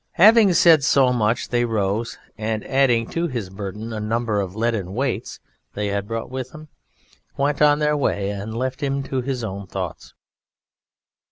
Having said so much they rose, and adding to his burden a number of leaden weights they had brought with them, went on their way and left him to his own thoughts.